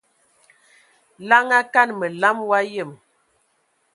Laŋa kan məlam wa yəm.